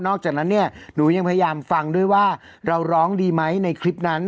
จากนั้นเนี่ยหนูยังพยายามฟังด้วยว่าเราร้องดีไหมในคลิปนั้น